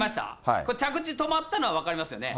これ、着地止まったの分かりますよね？